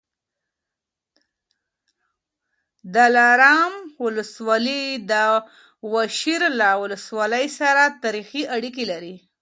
د دلارام ولسوالي د واشېر له ولسوالۍ سره تاریخي اړیکې لري